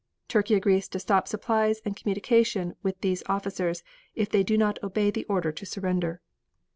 Turkey agrees to stop supplies and communication with these officers if they do not obey the order to surrender.